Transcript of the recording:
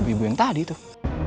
ibu yang tadi tuh